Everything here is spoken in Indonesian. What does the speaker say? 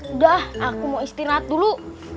udah aku mau istirahat dulu